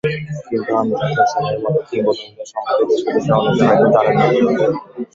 কিন্তু আমজাদ হোসেনদের মতো কিংবদন্তিদের সম্পর্কে দেশ-বিদেশের অনেকেই হয়তো জানেন না।